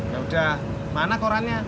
ya udah mana korannya